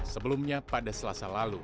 sebelumnya pada selasa lalu